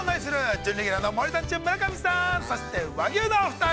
準レギュラーの森三中・村上さん、そして和牛のお二人。